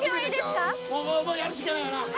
やるしかないよな。